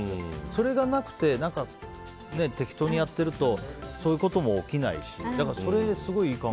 それがなくて、適当にやってるとそういうことも起きないしそれ、すごいいい考え。